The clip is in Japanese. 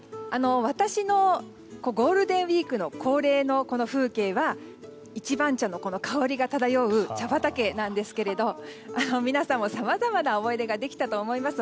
ゴールデンウィーク恒例の私の風景は一番茶の香りが漂う茶畑なんですけれど皆さんもさまざまな思い出ができたと思います